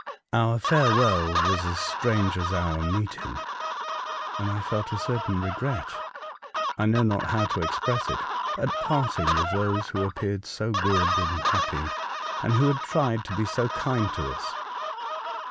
Our farewell was as strange as our meeting, and I felt a certain regret — I know not how to express it — 214 A Voijage to Other Worlds. at parting with those who appeared so good and happy, and who had tried to be so kind to ns.